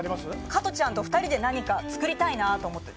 加トちゃんと２人で何か作りたいなと思って。